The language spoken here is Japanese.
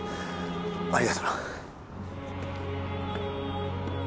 ありがとな